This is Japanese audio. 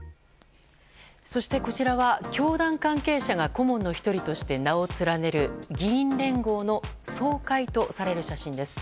そして、こちらは教団関係者が顧問の１人として名を連ねる議員連合の総会とされる写真です。